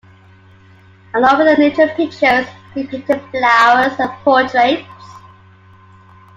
Along with nature pictures, he painted flowers and portraits.